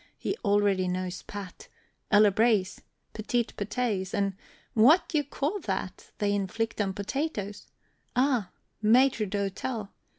he already knows pat, A la braise, petit patés, and what d'ye call that They inflict on potatoes? Oh! maître d'hotel.